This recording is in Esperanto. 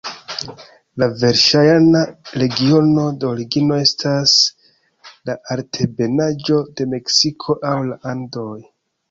La verŝajna regiono de origino estas la altebenaĵo de Meksiko aŭ la Andoj.